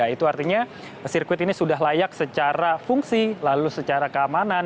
itu artinya sirkuit ini sudah layak secara fungsi lalu secara keamanan